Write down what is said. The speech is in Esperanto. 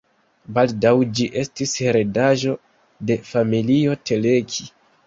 Baldaŭ ĝi estis heredaĵo de familio Teleki.